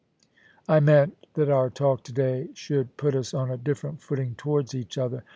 I meant that our talk to day should put us on a different footing towards each other.